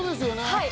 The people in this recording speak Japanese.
はい。